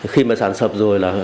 khi mà sàn sập rồi là